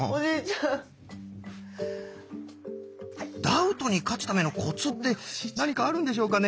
ダウトに勝つためのコツって何かあるんでしょうかね？